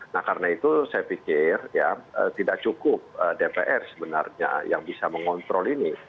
nah karena itu saya pikir ya tidak cukup dpr sebenarnya yang bisa mengontrol ini